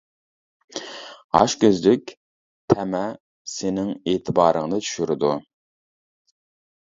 ئاچ كۆزلۈك، تەمە سېنىڭ ئېتىبارىڭنى چۈشۈرىدۇ.